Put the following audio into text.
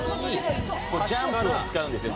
ジャンプを使うんですよ。